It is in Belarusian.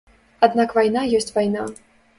Аднак вайна ёсць вайна.